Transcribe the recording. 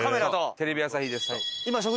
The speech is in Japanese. テレビ朝日ですと。